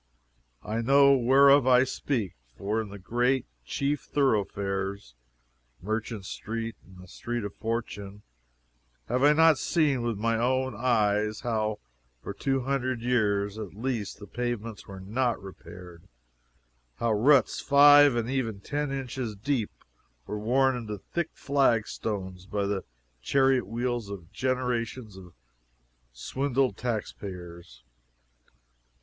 I know whereof I speak for in the great, chief thoroughfares (Merchant street and the Street of Fortune) have I not seen with my own eyes how for two hundred years at least the pavements were not repaired! how ruts five and even ten inches deep were worn into the thick flagstones by the chariot wheels of generations of swindled tax payers?